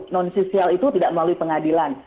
nondisisial itu tidak melalui pengadilan